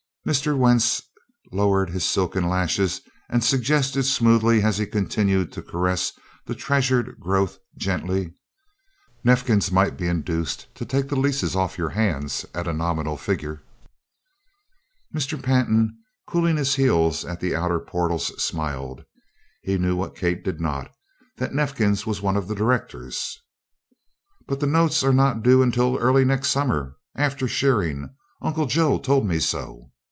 Mr. Wentz lowered his silken lashes and suggested smoothly as he continued to caress the treasured growth gently: "Neifkins might be induced to take the leases off your hands at a nominal figure." Mr. Pantin cooling his heels at the outer portals smiled. He knew what Kate did not that Neifkins was one of the directors. "But the notes are not due until early next summer after shearing. Uncle Joe told me so."